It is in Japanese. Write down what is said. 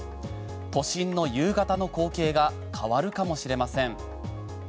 都心の夕方の光景が変わるかもしれません。